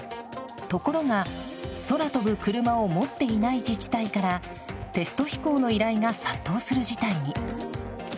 ところが、空飛ぶクルマを持っていない自治体からテスト飛行の依頼が殺到する事態に。